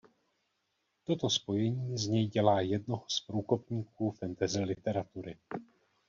Toto spojení z něj dělá jednoho z průkopníků fantasy literatury.